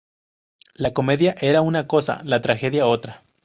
La comedia era una cosa; la tragedia, otra.